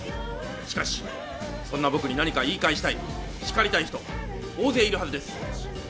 しかしそんな僕に何か言い返したい叱りたい人大勢いるはずです。